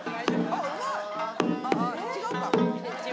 あっ違うか。